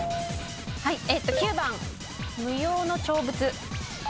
９番無用の長物。